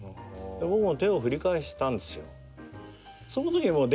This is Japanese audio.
僕も手を振り返したんですよ。